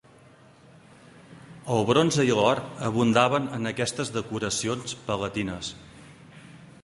El bronze i l'or abundaven en aquestes decoracions palatines.